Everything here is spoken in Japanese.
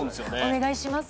お願いします。